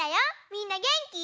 みんなげんき？